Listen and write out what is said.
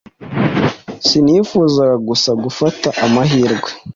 Sinifuzaga gusa gufata amahirwe.